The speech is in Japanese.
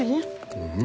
うん。